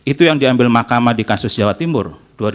itu yang diambil mahkamah di kasus jawa timur dua ribu dua puluh